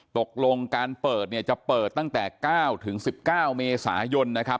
ตกลงการเปิดเนี่ยจะเปิดตั้งแต่๙๑๙เมษายนนะครับ